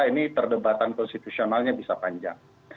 ini perdebatan konstitusionalnya bisa panjang